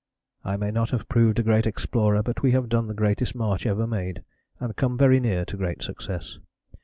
I may not have proved a great explorer, but we have done the greatest march ever made and come very near to great success.